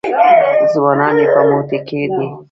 ځوانان یې په موټي کې دي.